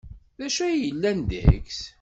D acu ay yellan deg-s?